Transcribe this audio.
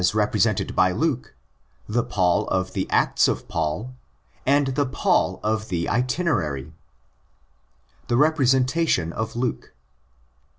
represented by Luke; the Paul of the Acts of Paul ; and the Paul of the Itinerary. ' The Representation of Luke.